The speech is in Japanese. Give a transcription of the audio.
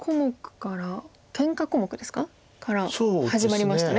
から始まりましたね